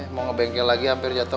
mau ngebengkel lagi hampir jatuh